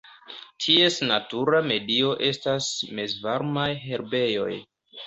Ties natura medio estas mezvarmaj herbejoj.